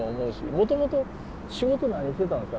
もともと仕事何してたんですか？